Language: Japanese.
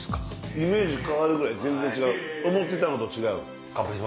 イメージ変わるぐらい全然違う思ってたのと違う。